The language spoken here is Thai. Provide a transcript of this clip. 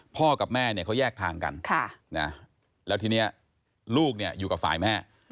พ่อกับแม่เขาแยกทางกันแล้วทีนี้ลูกอยู่กับฝ่ายแม่